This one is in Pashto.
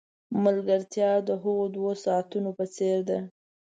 ملګرتیا د هغو دوو ساعتونو په څېر ده.